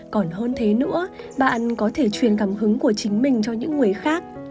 còn hơn thế nữa bạn có thể truyền cảm hứng của chính mình cho những người khác